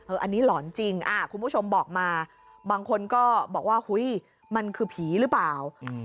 อันนี้หลอนจริงคุณผู้ชมบอกมาบางคนก็บอกว่าเฮ้ยมันคือผีหรือเปล่า